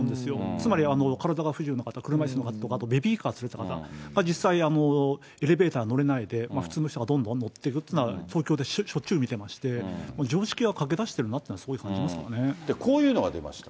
つまり体が不自由な方、車いすの方とか、あとベビーカー連れた方、実際、エレベーター乗れないで、普通の人がどんどんどんどん乗ってくっていうのは東京でしょっちゅう見てまして、常識が欠けだしてるなって、すごい感じますけどこういうのが出ました。